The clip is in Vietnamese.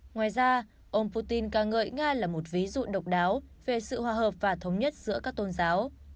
ngoài ra ông putin ca ngợi nga là một ví dụ độc đáo về sự hòa hợp và thống nhất giữa các tôn giáo